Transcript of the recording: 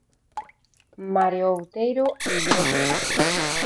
Mario Outeiro Igrexas.